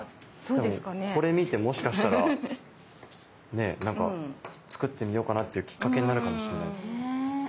でもこれ見てもしかしたらね作ってみようかなっていうきっかけになるかもしんないです。